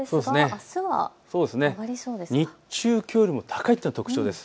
日中、きょうよりも高いというのが特徴です。